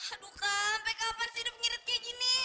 aduh sampai kapan sih hidup ngirit kayak gini